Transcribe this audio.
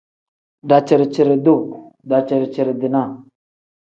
Daciri-ciri-duu pl: daciri-ciri-dinaa n.